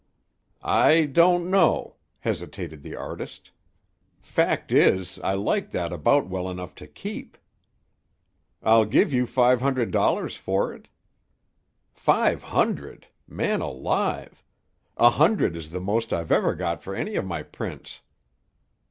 "I don't know," hesitated the artist. "Fact is, I like that about well enough to keep." "I'll give you five hundred dollars for it." "Five hundred! Man alive! A hundred is the most I've ever got for any of my prints!"